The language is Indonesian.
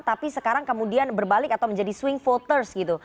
tapi sekarang kemudian berbalik atau menjadi swing voters gitu